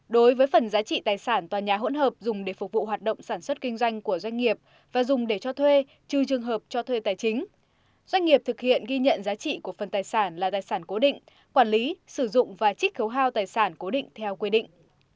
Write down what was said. doanh nghiệp thực hiện ghi nhận giá trị của phần tài sản là tài sản cố định quản lý sử dụng và trích khấu hao tài sản cố định theo quy định